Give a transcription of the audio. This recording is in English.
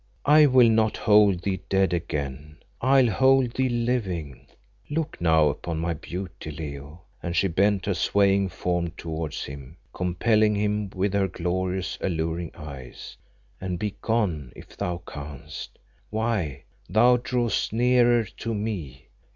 I will not hold thee dead again I'll hold thee living. Look now on my beauty, Leo" and she bent her swaying form towards him, compelling him with her glorious, alluring eyes "and begone if thou canst. Why, thou drawest nearer to me.